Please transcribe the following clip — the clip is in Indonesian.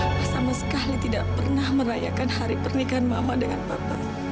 bapak sama sekali tidak pernah merayakan hari pernikahan mama dengan papa